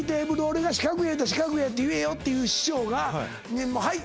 俺が四角や言うたら四角やって言えよっていう師匠が「はい」